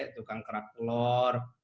tukang kerak telur